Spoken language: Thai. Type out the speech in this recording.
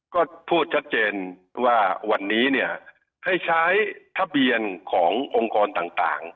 ก็พูดชัดเจนว่าวันนี้เนี่ยให้ใช้ทะเบียนขององค์กรต่าง